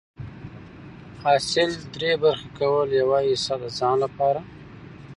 حاصل دری برخي کول، يوه حيصه د ځان لپاره